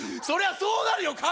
そりゃそうなるよ